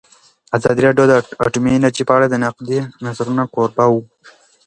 ازادي راډیو د اټومي انرژي په اړه د نقدي نظرونو کوربه وه.